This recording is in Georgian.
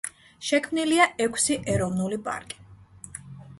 შექმნილია ექვსი ეროვნული პარკი.